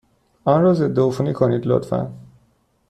آن را ضدعفونی کنید، لطفا.